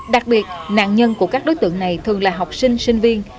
đặc biệt nạn nhân của các đối tượng này thường là học sinh sinh viên